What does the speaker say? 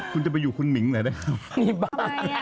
คุณจะไปอยู่คุณหมิ้งไหนได้ครับไปมา